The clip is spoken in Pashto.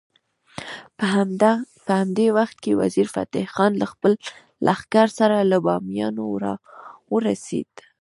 په همدې وخت کې وزیر فتح خان له خپل لښکر سره له بامیانو راورسېد.